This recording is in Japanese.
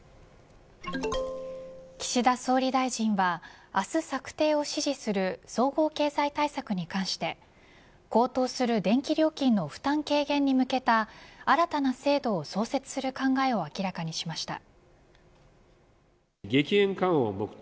岸田総理大臣は明日、策定を指示する総合経済対策に関して高騰する電気料金の負担軽減に向けた新たな制度を創設する考えを明らかにしました。